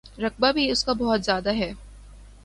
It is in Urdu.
رقبہ بھی اس کا بہت زیادہ ہے۔